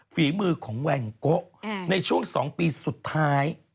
ฝีมือของแวนโกะในช่วง๒ปีสุดท้าย